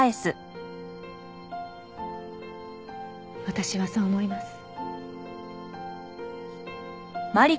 私はそう思います。